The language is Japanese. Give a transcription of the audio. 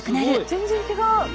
全然違う！